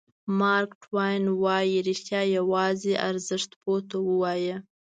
مارک ټواین وایي رښتیا یوازې ارزښت پوه ته ووایه.